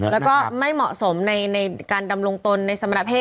แล้วก็ไม่เหมาะสมในการดำรงตนในสมณเพศ